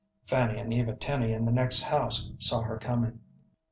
Fanny and Eva Tenny in the next house saw her coming.